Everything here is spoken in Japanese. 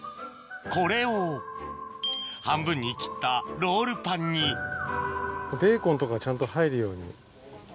これを半分に切ったロールパンにベーコンとかちゃんと入るように。